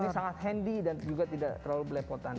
ini sangat handy dan juga tidak terlalu belepotan